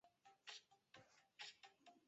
其颜色为棕色是因为有大量的线粒体。